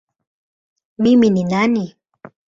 Mimi ni nani?